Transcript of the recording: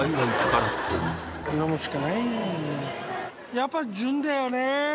やっぱ純だよね。